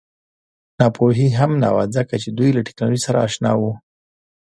ناپوهي هم نه وه ځکه چې دوی له ټکنالوژۍ سره اشنا وو